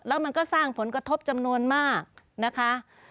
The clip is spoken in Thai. แล้วมันก็สร้างผลกระทบจำนวนมากนะคะ